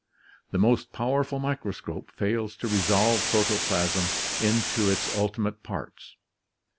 The most powerful microscope fails to resolve protoplasm into its ultimate parts.